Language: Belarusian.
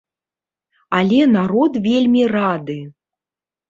Але народ вельмі рады.